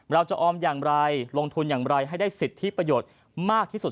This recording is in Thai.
เราจะออมอย่างไรลงทุนอย่างไรให้ได้สิทธิประโยชน์มากที่สุด